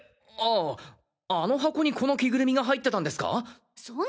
あああの箱にこの着ぐるみが入ってたんですかぁ？